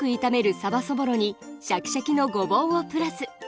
さばそぼろにシャキシャキのごぼうをプラス。